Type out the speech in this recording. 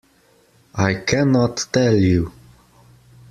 I cannot tell you.